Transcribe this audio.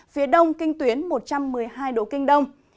phía đông kinh tuyến một trăm một mươi hai độ kinh đông